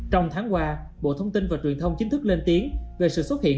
trong tháng qua bộ thông tin và truyền thông chính thức lên tiếng về sự xuất hiện